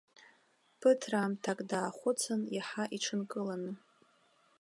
Ԥыҭраамҭак даахәыцын, иаҳа иҽынкыланы.